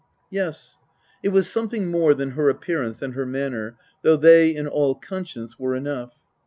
Yes : it was something more than her appearance and her manner, though they, in all conscience, were enough.